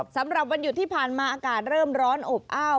สำหรับวันหยุดที่ผ่านมาอากาศเริ่มร้อนอบอ้าว